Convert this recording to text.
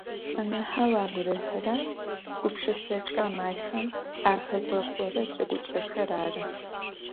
Анахьэу агу рихьырэр гупшысэкӏэ амалхэм ахэзгъэхъорэ джэгукӏэхэр ары.